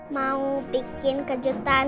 mau bikin kejutan